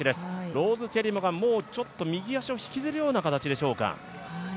ローズ・チェリモがもうちょっと右足を引きずるような形でしょうか。